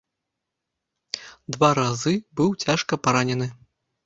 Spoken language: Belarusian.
Два разы быў цяжка паранены.